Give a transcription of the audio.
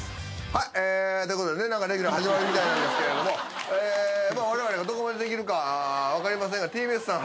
はいということでねなんかレギュラー始まるみたいなんですけれどもえまっ我々がどこまでできるかわかりませんがＴＢＳさん